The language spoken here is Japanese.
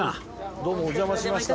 どうもお邪魔しました。